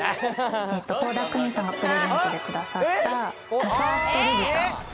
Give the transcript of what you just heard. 倖田來未さんがプレゼントでくださったファーストルブタン。